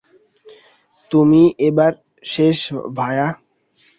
তুমি এবার শেষ ভায়া!